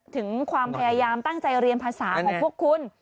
ถึงความพยายามตั้งใจเรียนภาษาของพวกคุณ